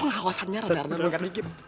hawasannya rendah rendah sedikit